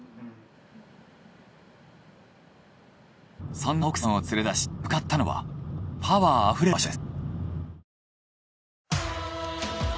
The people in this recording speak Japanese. そんな奥さんを連れ出し向かったのはパワーあふれる場所です。